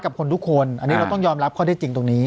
กับคนทุกคนอันนี้เราต้องยอมรับข้อได้จริงตรงนี้